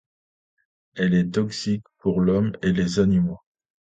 Elle est toxique pour l'homme et les animaux.